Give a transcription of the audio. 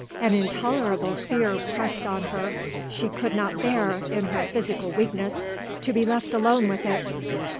An intolerable fear pressed on her. She could not bear, in her physical weakness, to be left alone with it.